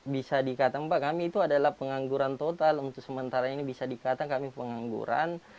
bisa dikatakan pak kami itu adalah pengangguran total untuk sementara ini bisa dikatakan kami pengangguran